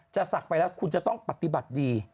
ศักดิ์ไปแล้วคุณจะต้องปฏิบัติดี